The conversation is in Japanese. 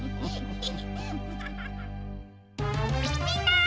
みんな！